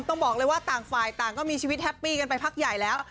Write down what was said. ต้องบอกเลยว่าต่างฝ่ายต่างก็มีชีวิตแฮปปี้กันไปพักใหญ่แล้ว